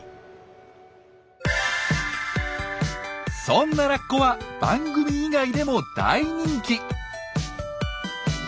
そんなラッコは番組以外でも大人気！